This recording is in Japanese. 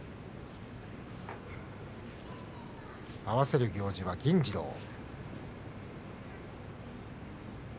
合わせる行司は銀治郎。